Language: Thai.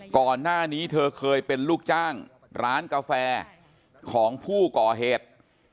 ก่อนหน้านี้เธอเคยเป็นลูกจ้างร้านกาแฟของผู้ก่อเหตุ